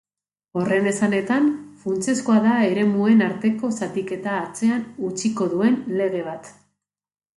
Horren esanetan, funtsezkoa da eremuen arteko zatiketa atzean utziko duen lege bat.